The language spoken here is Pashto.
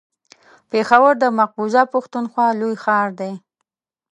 پېښور د مقبوضه پښتونخوا لوی ښار دی.